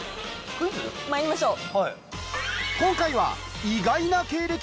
まいりましょう。